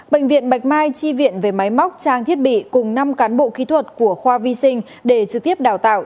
bệnh viện bạch mai chi viện về máy móc trang thiết bị cùng năm cán bộ kỹ thuật của khoa vi sinh để trực tiếp đào tạo